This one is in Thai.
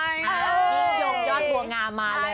ยิ่งยงยอดบัวงามมาเลย